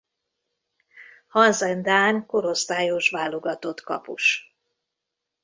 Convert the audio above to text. Hansen dán korosztályos válogatott kapus.